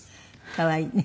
可愛いね。